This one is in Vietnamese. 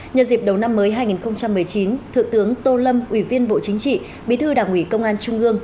nhân dịp đầu năm mới hai nghìn một mươi chín thượng tướng tô lâm ủy viên bộ chính trị bí thư đảng ủy công an trung ương